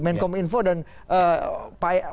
menkom info dan pak